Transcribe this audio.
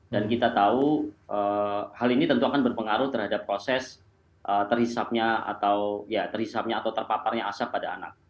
dan kita tahu hal ini tentu akan berpengaruh terhadap proses terhisapnya atau terpaparnya asap pada anak